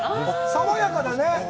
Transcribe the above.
爽やかなね。